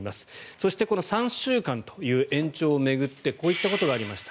そしてこの３週間という延長を巡ってこういったことがありました。